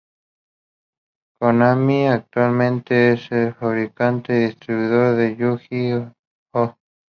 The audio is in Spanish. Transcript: Konami actualmente es el fabricante y distribuidor de Yu-Gi-Oh!